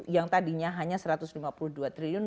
yang tadinya hanya satu ratus lima puluh dua triliun